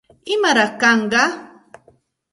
¿Imaraq kanqa?